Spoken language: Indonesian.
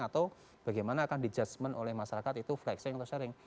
atau bagaimana akan di judgement oleh masyarakat itu flexing atau sharing